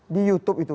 di youtube itu